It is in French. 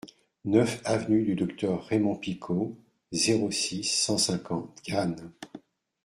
neuf avenue du Docteur Raymond Picaud, zéro six, cent cinquante, Cannes